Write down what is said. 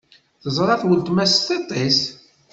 Teẓra-t uletma s tiṭ-is.